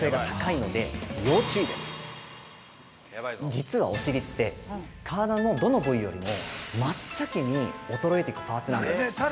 ◆実はお尻って、体のどの部位よりも真っ先に衰えていくパーツなんです。